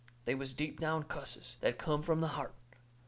They was deep down cusses, that come from the heart.